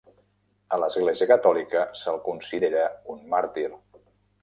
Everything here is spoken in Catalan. A l'Església Catòlica, se'l considera un màrtir.